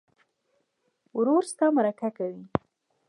ورور ستا مرسته کوي.